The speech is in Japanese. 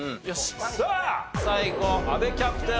さあ最後阿部キャプテン